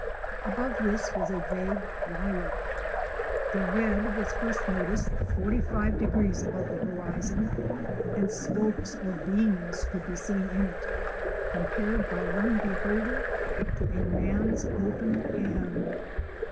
Above this was a vague lilac. The red was first noticed 45° above the horizon, and spokes or beams could be seen in it, compared by one beholder to a man's open hand.